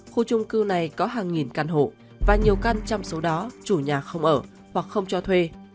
khu trung cư này có hàng nghìn căn hộ và nhiều căn trong số đó chủ nhà không ở hoặc không cho thuê